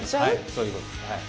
そういうことです。